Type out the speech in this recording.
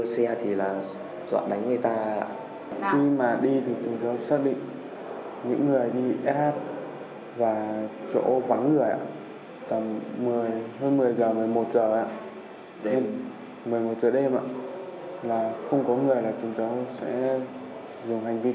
còn bạn tài không đồng ý